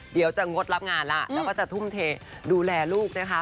งดรับงานแล้วแล้วก็จะทุ่มเทดูแลลูกนะคะ